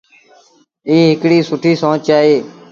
ايٚ هڪڙيٚ سُٺيٚ سونچ اهي۔